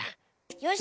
よし！